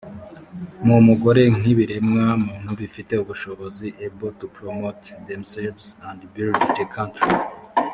n umugore nk ibiremwa muntu bifite ubushobozi able to promote themselves and built the country